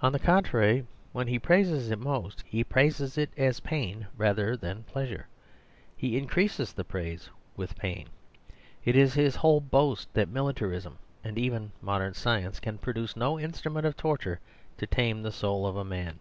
On the contrary, when he praises it most, he praises it as pain rather than pleasure. He increases the praise with the pain; it is his whole boast that militarism, and even modem 114 The Superstition^ of Divorce science, can produce no instrument of torture to tame the soul of man.